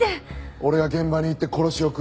俺が現場に行って殺しを食い止める。